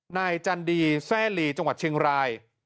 จันดีแซ่ลีจังหวัดเชียงราย